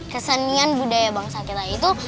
kesenian budaya bangsa kita itu